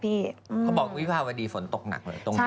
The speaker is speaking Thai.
พระครูพาวุดีฝนตกหนักนึง